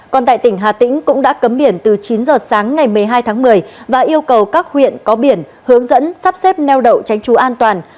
còn tại tỉnh hà tĩnh cũng đã cấm biển từ chín giờ sáng ngày một mươi hai tháng một mươi và yêu cầu các huyện có biển hướng dẫn sắp xếp neo đậu tránh trú an toàn